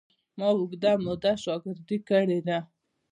ما اوږده موده شاګردي کړې ده.